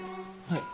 はい。